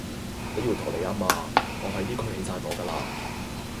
你要陀地吖嘛，我喺呢區起曬朵㗎啦